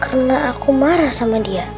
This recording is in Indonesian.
karena aku marah sama dia